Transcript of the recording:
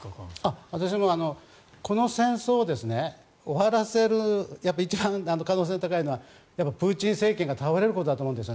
私もこの戦争を終わらせる一番可能性が高いのはプーチン政権が倒れることだと思います。